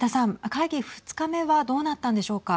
会議２日目はどうなったんでしょうか。